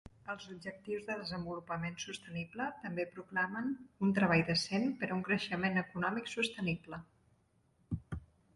Els Objectius de Desenvolupament Sostenible també proclamen un treball decent per a un creixement econòmic sostenible.